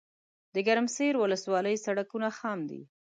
دګرمسیر ولسوالۍ سړکونه خام دي